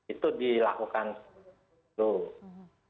itu dilakukan seluruh